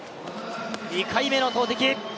２回目の投てき。